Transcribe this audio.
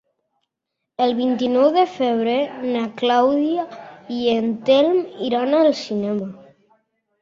El vint-i-nou de febrer na Clàudia i en Telm iran al cinema.